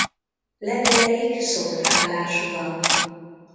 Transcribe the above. Leveleik szórt állásúak.